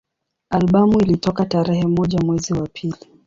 Albamu ilitoka tarehe moja mwezi wa pili